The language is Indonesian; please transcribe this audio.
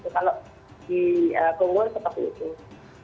seperti itu kalau di kongo tetap begitu